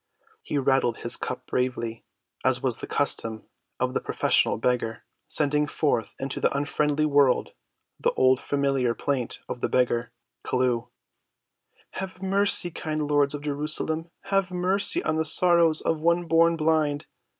He rattled his cup bravely as was the custom of the professional beggar, sending forth into the unfriendly world the old familiar plaint of the beggar, Chelluh. "Have mercy, kind lords of Jerusalem; have mercy on the sorrows of one born blind!